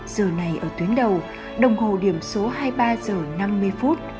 giờ này ở tuyến đầu đồng hồ điểm số hai mươi ba h năm mươi